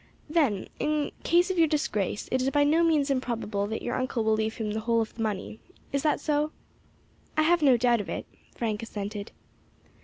"Then, in case of your disgrace, it is by no means improbable that your uncle will leave him the whole of the money. Is that so? "I have no doubt of it," Frank assented.